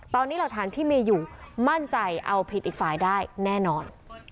ตอนนี้หลักฐานที่มีอยู่มั่นใจเอาผิดอีกฝ่ายได้แน่นอน